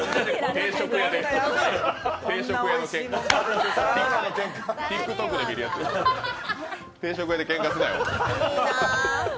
定食屋でけんかすなよ。